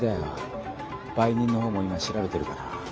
売人の方も今調べてるから。